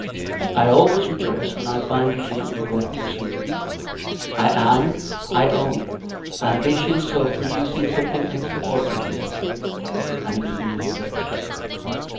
I always rejoice when I find you do not neglect your singing. I am, I own, ambitious of producing something extraordinary in you, and it is nearly done.